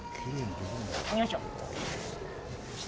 よいしょ。